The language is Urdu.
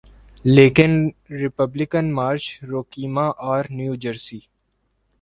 لیکن Republican Marge Roukema R New Jersey